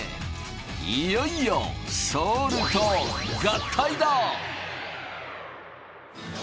いよいよソールと合体だ！